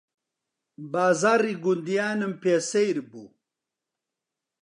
بازاڕی گوندیانم پێ سەیر بوو